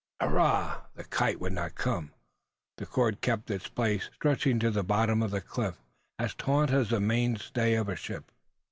Hurrah! the kite would not come! The cord kept its place, stretching to the bottom of the cliff, as taut as the main stay of a ship!